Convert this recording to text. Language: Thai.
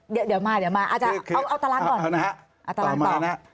เดี๋ยวมา